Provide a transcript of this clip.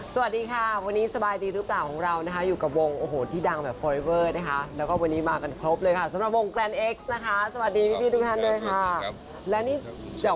สบายดีหรือเปล่าข่าวไม่เคยรู้ตื่นดูเธอไม่อยู่แอบดูแวะมอง